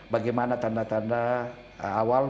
bagaimana tanda tanda awal